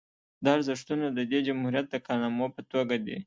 دا ارزښتونه د دې جمهوریت د کارنامو په توګه دي